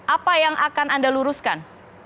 apa yang akan anda luruskan